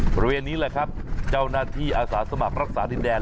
บริเวณนี้แหละครับเจ้าหน้าที่อาสาสมัครรักษาดินแดน